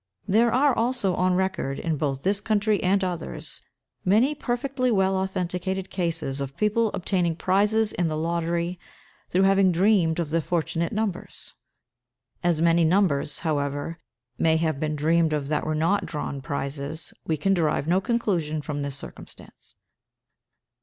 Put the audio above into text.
There are also on record, in both this country and others, many perfectly well authenticated cases of people obtaining prizes in the lottery, through having dreamed of the fortunate numbers. As many numbers, however, may have been dreamed of that were not drawn prizes, we can derive no conclusion from this circumstance.